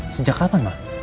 sejak kapan ma